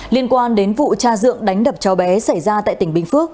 liên quan đến vụ cha dượng đánh đập cháu bé xảy ra tại tỉnh bình phước